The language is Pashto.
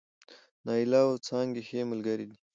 نايله او څانګه ښې ملګرې دي